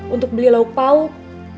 untuk beli lauk pauk